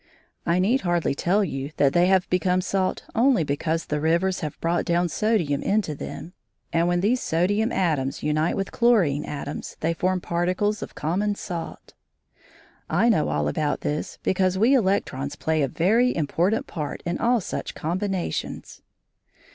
I need hardly tell you that they have become salt only because the rivers have brought down sodium into them, and when these sodium atoms unite with chlorine atoms they form particles of common salt. I know all about this because we electrons play a very important part in all such combinations.